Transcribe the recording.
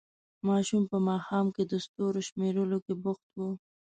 ماشوم په ماښام کې د ستورو شمېرلو کې بوخت وو.